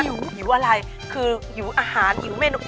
หิวอะไรคือหิวอาหารหิวเมนู